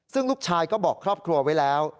ซึ่งลูกชายก็บอกครอบครัวไว้แล้ว